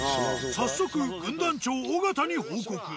早速軍団長・尾形に報告。